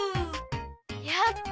やった！